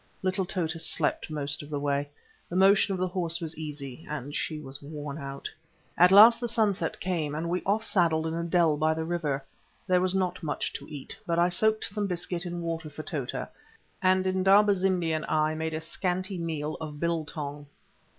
Little Tota slept most of the way, the motion of the horse was easy, and she was worn out. At last the sunset came, and we off saddled in a dell by the river. There was not much to eat, but I soaked some biscuit in water for Tota, and Indaba zimbi and I made a scanty meal of biltong.